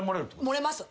漏れます。